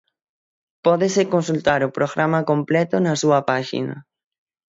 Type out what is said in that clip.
Pódese consultar o programa completo na súa páxina.